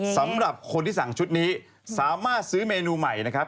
สำหรับคนที่สั่งชุดนี้สามารถซื้อเมนูใหม่นะครับ